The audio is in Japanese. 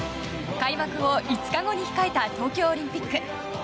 開幕を５日後に控えた東京オリンピック。